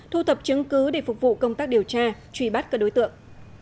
thu thập chứng cứ để phục vụ công tác điều tra truy bắt các đối tượng